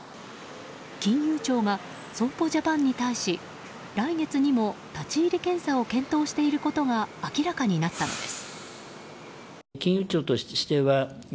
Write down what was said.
金融庁が損保ジャパンに対し来月にも立ち入り検査を検討していることが明らかになったのです。